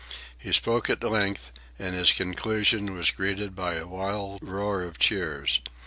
He spoke at length, and his conclusion was greeted with a wild roar of cheers.